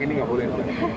ini tidak boleh